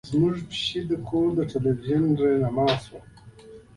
زمونږ پیشو د کور د تلویزیون رهنما شوه.